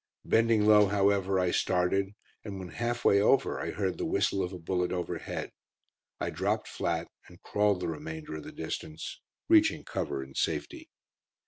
Bending low, however, I started, and when half way over I heard the whistle of a bullet overhead. I dropped flat and crawled the remainder of the distance, reaching cover in safety.